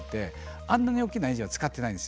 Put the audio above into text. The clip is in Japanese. あんなに大きなエンジンは使ってないんですよ。